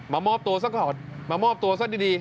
มอบตัวซะก่อนมามอบตัวซะดี